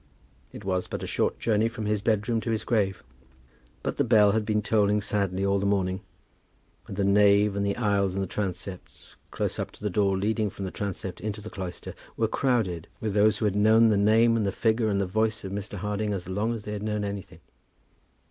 It was but a short journey from his bedroom to his grave. But the bell had been tolling sadly all the morning, and the nave and the aisles and the transepts, close up to the door leading from the transept into the cloister, were crowded with those who had known the name and the figure and the voice of Mr. Harding as long as they had known anything.